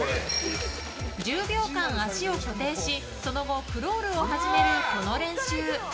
１０秒間、足を固定しその後、クロールを始めるこの練習。